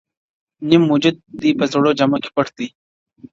نیم وجود دي په زړو جامو کي پټ دی!!